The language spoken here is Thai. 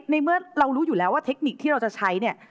ในเมื่อเรารู้อยู่แล้วว่าเทคนิคที่เราจะใช้เนี่ย